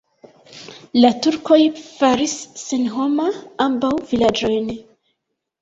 La turkoj faris senhoma ambaŭ vilaĝojn.